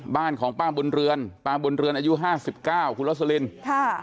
บ้านของป้าบุญเรือนป้าบุญเรือนอายุห้าสิบเก้าคุณลสลินค่ะ